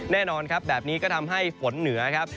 แน่นอนครับแบบนี้ก็ทำให้ฝนเหนือครับ